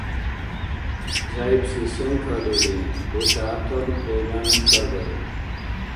— ЗягӀипси сен калири? — бусягӀятал Лейлани хьарбаиб.